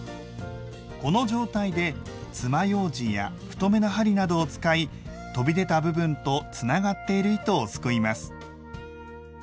この状態でつまようじや太めの針などを使い飛び出た部分とつながっている糸をすくいます。